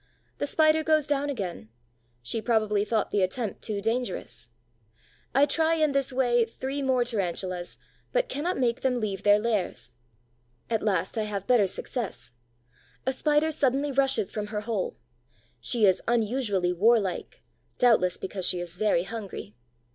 The Spider goes down again: she probably thought the attempt too dangerous. I try in this way three more Tarantulas, but cannot make them leave their lairs. At last I have better success. A Spider suddenly rushes from her hole: she is unusually warlike, doubtless because she is very hungry.